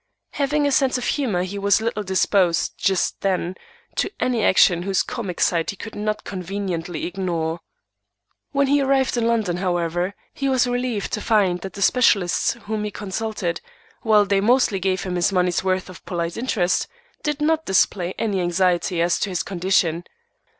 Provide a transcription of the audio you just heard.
Having a sense of humour, he was little disposed, just then, to any action whose comic side he could not conveniently ignore. When he arrived in London, however, he was relieved to find that the specialists whom he consulted, while they mostly gave him his money's worth of polite interest, did not display any anxiety as to his condition.